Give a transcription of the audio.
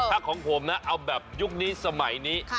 ถ้าของผมนะเอาแบบยุคนี้สมัยนี้